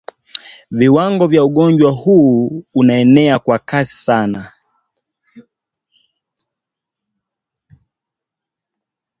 Viwango vya ugonjwa huu unaenea kwa kasi sana